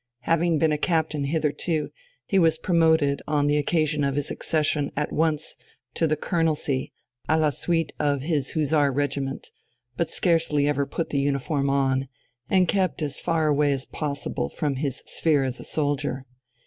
Having been a captain hitherto, he was promoted on the occasion of his accession at once to the colonelcy à la suite of his Hussar regiment, but scarcely ever put the uniform on, and kept as far away as possible from his sphere as a soldier.